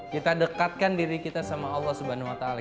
kita dekatkan diri kita sama allah swt